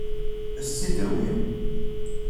Ad as-tt-id-tawim?